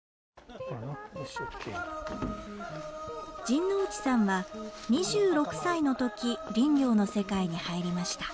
陣内さんは２６歳のとき林業の世界に入りました。